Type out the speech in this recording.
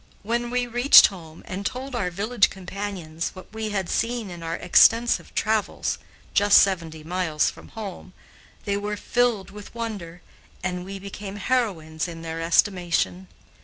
When we reached home and told our village companions what we had seen in our extensive travels (just seventy miles from home) they were filled with wonder, and we became heroines in their estimation.